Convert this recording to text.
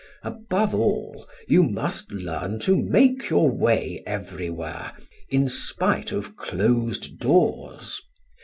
Above all, you must learn to make your way everywhere in spite of closed doors.